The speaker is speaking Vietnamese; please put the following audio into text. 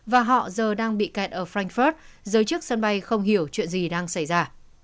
và họ giờ đang bị kẹt ở frankfurt giới chức sân bay không hiểu chuyện gì đang xảy ra